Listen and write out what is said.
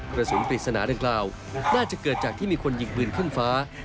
กระสุนปริศนาดังกล่าวน่าจะเกิดจากที่มีคนยิงปืนขึ้นฟ้า